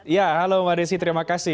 ya halo mbak desi terima kasih